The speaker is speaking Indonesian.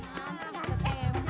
aduh ada tempe